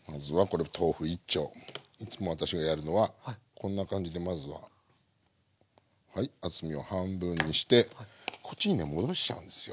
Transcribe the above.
こんな感じでまずははい厚みを半分にしてこっちにね戻しちゃうんですよ。